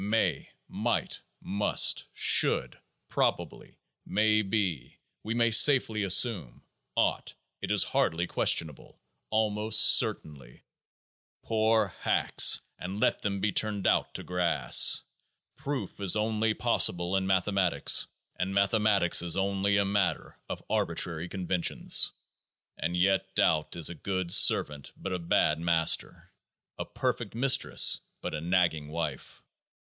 May, might, must, should, probably, may be, we may safely assume, ought, it is hardly questionable, almost certainly — poor hacks ! let them be turned out to grass ! Proof is only possible in mathematics, and mathematics is only a matter of arbitrary conventions. And yet doubt is a good servant but a bad master ; a perfect mistress, but a nagging wife.